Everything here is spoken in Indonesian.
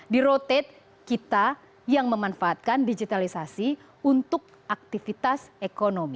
di rote kita yang memanfaatkan digitalisasi untuk aktivitas ekonomi